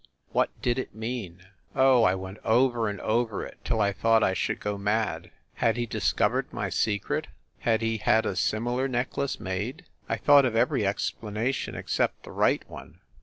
What did it mean ? Oh, I went over and over it till I thought I should go mad. Had he discovered my secret? Had he had a similar necklace made? I thought of every explanation except the right one.